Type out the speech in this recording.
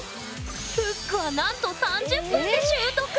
フックはなんと３０分で習得！